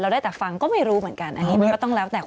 เราได้แต่ฟังก็ไม่รู้เหมือนกันอันนี้ก็ต้องแล้วแต่ความคิด